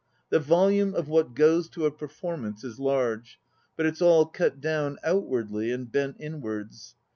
The volume of what goes to a performance is large, but it's all cut down out wardly and bent inwards.